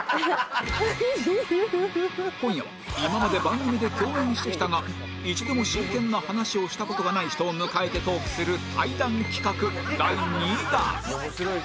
今夜は今まで番組で共演してきたが一度も真剣な話をした事がない人を迎えてトークする対談企画第２弾